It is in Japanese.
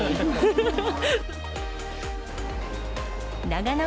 長野。